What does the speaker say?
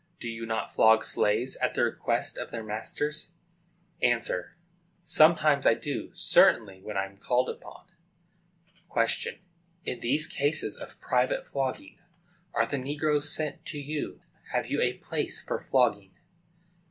Do you not flog slaves at the request of their masters? A. Sometimes I do. Certainly, when I am called upon. Q. In these cases of private flogging, are the negroes sent to you? Have you a place for flogging?